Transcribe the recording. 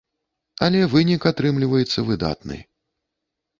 Але вынік атрымліваецца выдатны.